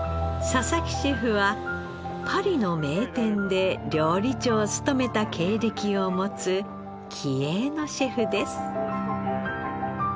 佐々木シェフはパリの名店で料理長を務めた経歴を持つ気鋭のシェフです。